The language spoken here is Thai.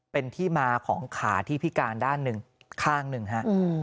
เป็นที่มาของขาที่พิการด้านหนึ่งข้างหนึ่งฮะ